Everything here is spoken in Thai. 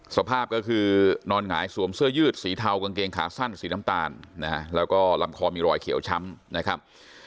สภาพก็คือนอนหงายสวมเสื้อยืดสีเทากางเกงขาสั้นสีน้ำตาลนะฮะแล้วก็ลำคอมีรอยเขียวช้ำนะครับ